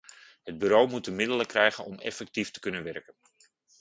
Het bureau moet de middelen krijgen om effectief te kunnen werken.